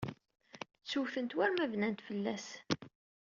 Ttewtent war ma bnant fell-as.